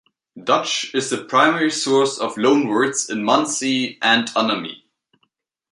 Dutch is the primary source of loan words in Munsee and Unami.